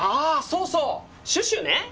そうそうシュシュね！